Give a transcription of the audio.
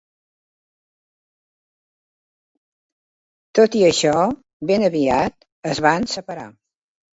Tot i això, ben aviat es van separar.